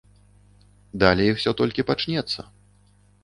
Далей усё толькі пачнецца.